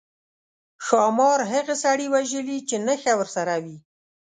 ښامار هغه سړي وژلی چې نخښه ورسره ده.